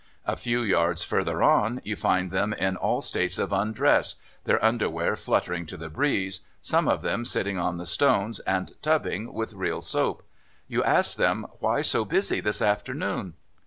A few yards further on you find them in all states of undress, their underwear fluttering to the breeze, some of them sitting on the stones and tubbing with real soap. You ask them, Why so busy this afternoon?